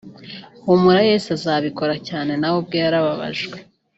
Humura Yesu azabikora cyane nawe ubwe yarababajwe